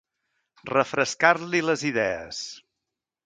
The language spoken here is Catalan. Refrescar-li les idees.